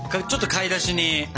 買い出し？